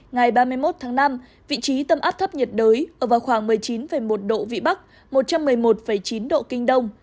ngày ba mươi một tháng năm vị trí tâm áp thấp nhiệt đới ở vào khoảng một mươi chín một độ vĩ bắc một trăm một mươi một chín độ kinh đông